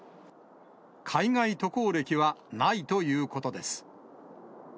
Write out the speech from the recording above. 海外渡航歴はないということです。